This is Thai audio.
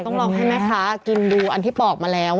ต้องลองให้แม่ค้ากินดูอันที่บอกมาแล้ว